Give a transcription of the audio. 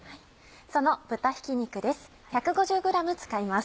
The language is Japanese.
その豚ひき肉です。